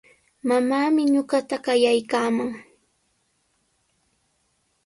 Mamaami ñuqata qayaykaaman.